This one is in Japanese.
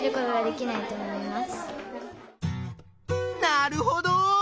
なるほど！